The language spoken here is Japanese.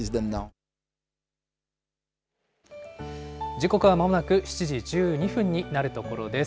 時刻はまもなく７時１２分になるところです。